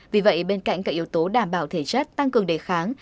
vì vậy bên cạnh các yếu tố đảm bảo thể chất tăng cường đề kháng